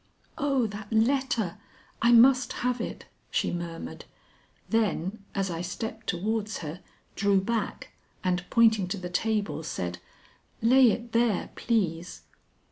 "Oh, that letter! I must have it," she murmured; then, as I stepped towards her, drew back and pointing to the table said, "Lay it there, please."